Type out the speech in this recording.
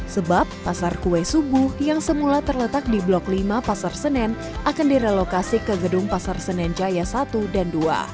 sebab pasar kue subuh yang semula terletak di blok lima pasar senen akan direlokasi ke gedung pasar senen jaya satu dan dua